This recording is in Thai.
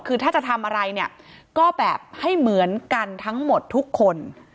คือถ้าจะทำอะไรเนี่ยก็แบบให้เหมือนกันทั้งหมดทุกคน